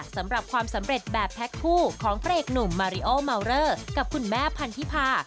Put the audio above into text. สำหรับความสำเร็จแบบแพ็คคู่ของพระเอกหนุ่มมาริโอเมาเลอร์กับคุณแม่พันธิพา